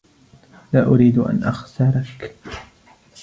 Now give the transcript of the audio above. لا أريد أن أخسركَ.